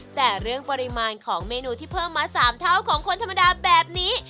แต่เรื่องปริมาณของเมนูที่เพิ่มมา๓เท่าของคนธรรมดาแบบนี้